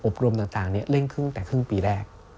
รวมต่างเร่งครึ่งแต่ครึ่งปีแรก